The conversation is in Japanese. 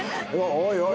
おいおい。